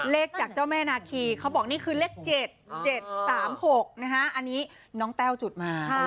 เลขจากเจ้าแม่นาคีเขาบอกนี่คือเลข๗๗๓๖นะฮะอันนี้น้องแต้วจุดมา